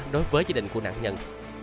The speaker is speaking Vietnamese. đối với gia đình của nạn nhân